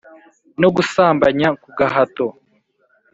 no gusambanya ku gahato